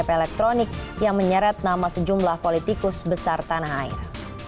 ktp elektronik yang menyeret nama sejumlah politikus besar tanah air